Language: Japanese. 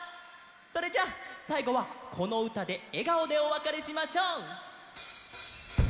それじゃあさいごはこのうたでえがおでおわかれしましょう！